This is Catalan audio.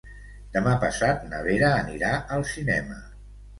Demà passat na Vera anirà al cinema.